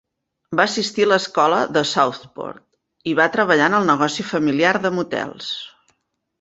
Va assistir a l'escola Southport i va treballar en el negoci familiar de motels.